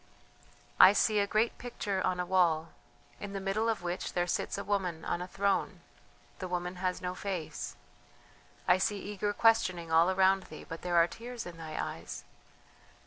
"I see a great picture on a wall in the middle of which there sits a woman on a throne, the woman has no face.... I see eager questioning all around thee, but there are tears in thy eyes....